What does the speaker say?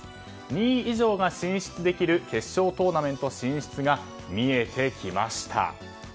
２位以上が進出できる決勝トーナメント進出が見えてきました。